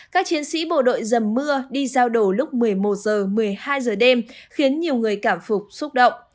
các chiến sĩ bộ đội dầm mưa đi giao đổ lúc một mươi một h một mươi hai h đêm khiến nhiều người cảm phục xúc động